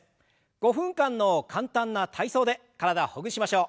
５分間の簡単な体操で体をほぐしましょう。